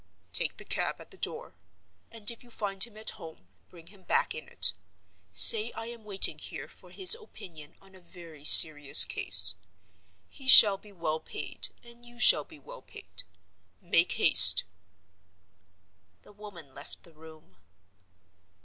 "Take the cab at the door; and, if you find him at home, bring him back in it. Say I am waiting here for his opinion on a very serious case. He shall be well paid, and you shall be well paid. Make haste!" The woman left the room.